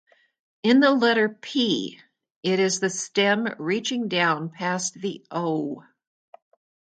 In the letter "p", it is the stem reaching down past the "o".